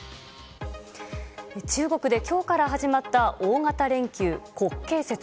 中国で今日から始まった大型連休、国慶節。